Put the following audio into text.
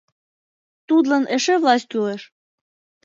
Тудлан эше власть кӱлеш.